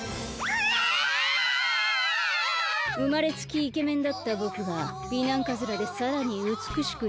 うまれつきイケメンだったぼくが美男カズラでさらにうつくしくなるなんて。